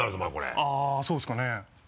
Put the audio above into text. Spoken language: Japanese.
あっそうですかね。